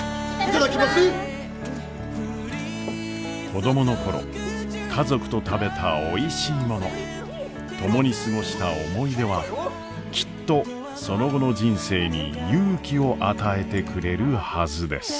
子供の頃家族と食べたおいしいもの共に過ごした思い出はきっとその後の人生に勇気を与えてくれるはずです。